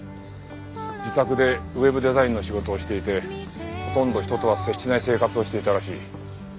自宅でウェブデザインの仕事をしていてほとんど人とは接しない生活をしていたらしい。